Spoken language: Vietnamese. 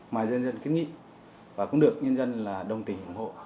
mà dân dân kết nghị và cũng được nhân dân là đồng tình ủng hộ